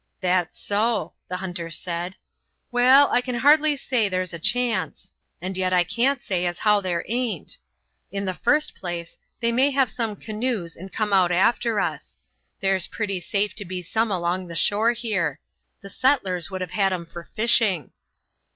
"That's so," the hunter said. "Waal, I can hardly say that there's a chance, and yet I can't say as how there aint. In the first place, they may have some canoes and come out after us; there's pretty safe to be some along the shore here. The settlers would have had 'em for fishing."